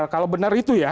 kalau benar itu ya